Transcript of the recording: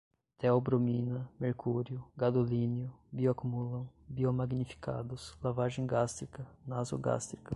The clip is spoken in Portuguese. teobromina, mercúrio, gadolínio, bioacumulam, biomagnificados, lavagem gástrica, nasogástrica